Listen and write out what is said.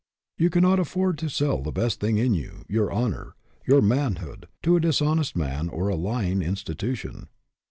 You cannot afford to sell the best thing in you, your honor, your man hood, to a dishonest man or a lying institution.